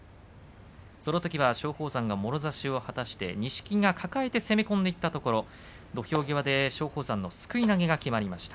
そのときは松鳳山がもろ差しを果たして錦木が抱えて攻め込んでいったところ、土俵際で松鳳山のすくい投げが決まりました。